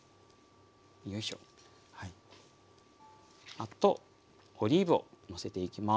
あとオリーブをのせていきます。